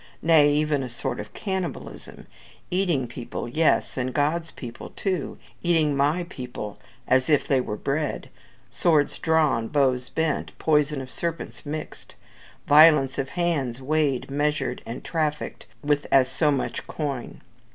nay, even a sort of cannibalism. Eating people, yes, and God's people, too eating My people as if they were bread! swords drawn, bows bent, poison of serpents mixed! violence of hands weighed, measured, and trafficked with as so much coin!